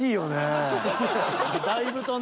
だいぶとね。